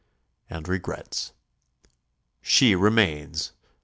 and regrets. She remains.